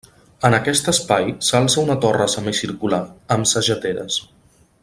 En aquest espai s'alça una torre semicircular, amb sageteres.